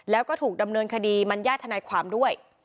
แล้วก็ถูกดำเนินคดีมัญญาติทนายความด้วย